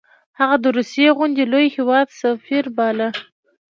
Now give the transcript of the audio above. هغه د روسیې غوندې لوی هیواد سفیر باله.